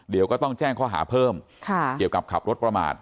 เดี๋ยวก็ต้องแจ้งข้อหาเพิ่มเกี่ยวกับขับรถประมาท